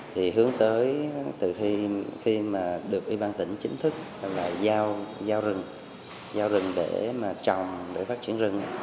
thì hướng tới từ khi mà được ủy ban tỉnh chính thức là giao giao rừng giao rừng để mà trồng để phát triển rừng